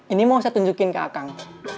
ini mau saya tunjukin ke kang